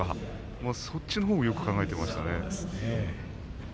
そっちのほうをよく考えていましたね。